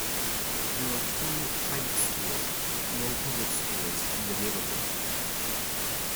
There are two private schools, but no public schools in the neighborhood.